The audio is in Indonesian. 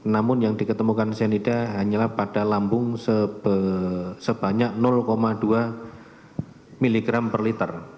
namun yang diketemukan cyanida hanyalah pada lambung sebanyak dua miligram per liter